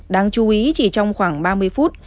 đáng chú ý chỉ trong khoảng ba mươi phút